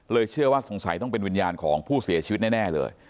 เชื่อว่าสงสัยต้องเป็นวิญญาณของผู้เสียชีวิตแน่เลย